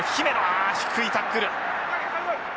あ低いタックル。